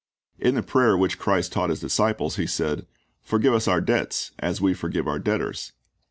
In the prayer which Christ taught His disciples He said, "Forgive us our debts, as we forgive our debtors."